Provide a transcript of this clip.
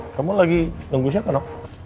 kamu lagi nunggu siapa nok